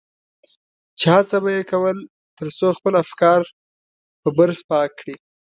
چې هڅه به دې کول تر څو خپل افکار په برس پاک کړي.